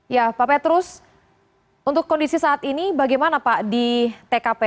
ya pak petrus untuk kondisi saat ini bagaimana pak di tkp